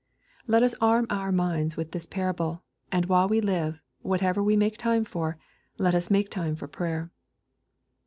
Let us arm our minds with this parable, and while we live, whatever we make time for, let us make time for prayer.